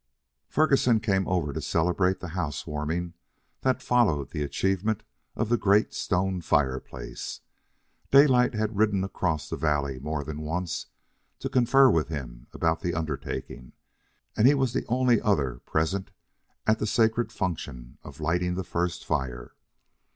Ferguson came over to celebrate the housewarming that followed the achievement of the great stone fireplace. Daylight had ridden across the valley more than once to confer with him about the undertaking, and he was the only other present at the sacred function of lighting the first fire.